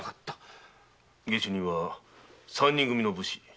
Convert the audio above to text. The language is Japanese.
下手人は三人組の武士。